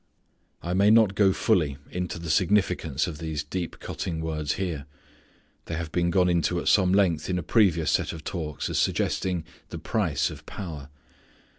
I may not go fully into the significance of these deep cutting words here. They have been gone into at some length in a previous set of talks as suggesting the price of power.